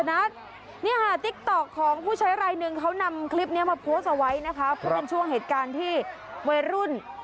แม่งแม่งแม่งแม่ง